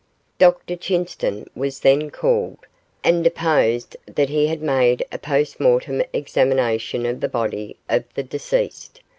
Dr Chinston was then called, and deposed that he had made a post mortem examination of the body of the deceased.